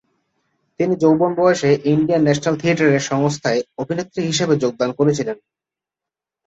তিনি যৌবন বয়সে ইন্ডিয়ান ন্যাশনাল থিয়েটার সংস্থায় অভিনেত্রী হিসেবে যোগদান করেছিলেন।